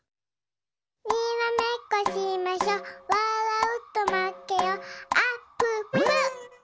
「にらめっこしましょわらうとまけよあっぷっぷ」